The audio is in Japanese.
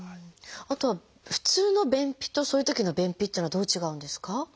あとは普通の便秘とそういうときの便秘っていうのはどう違うんですか？